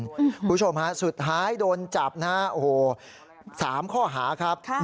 คุณผู้ชมสุดท้ายโดนจับ๓ข้อหาครับ